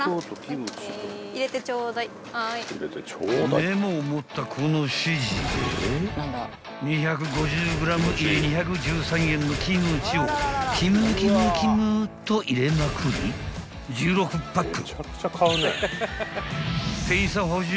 ［メモを持った子の指示で２５０ｇ入り２１３円のキムチをキムキムキムっと入れまくり１６パック］